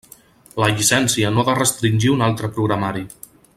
La llicència no ha de restringir un altre programari.